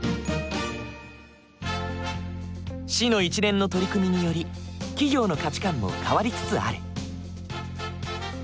市の一連の取り組みにより企業の価値観も変わりつつある。